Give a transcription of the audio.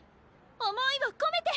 想いを込めて。